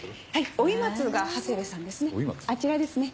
「オイマツ」が長谷部さんですね